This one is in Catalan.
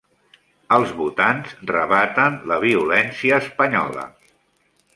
Els votants rebaten la violència espanyola